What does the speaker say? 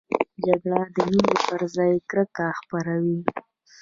جګړه د مینې پر ځای کرکه خپروي